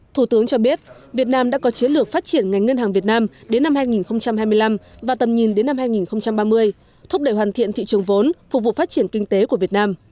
thủ tướng cho biết việt nam đã có chiến lược phát triển ngành ngân hàng việt nam đến năm hai nghìn hai mươi năm và tầm nhìn đến năm hai nghìn ba mươi thúc đẩy hoàn thiện thị trường vốn phục vụ phát triển kinh tế của việt nam